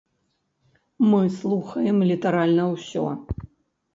Мы слухаем літаральна ўсё.